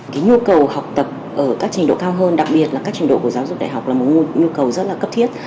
cái nhu cầu học tập ở các trình độ cao hơn đặc biệt là các trình độ của giáo dục đại học là một nhu cầu rất là cấp thiết